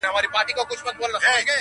اوس له شپو سره راځي اغزن خوبونه،